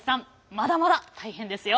まだまだ大変ですよ。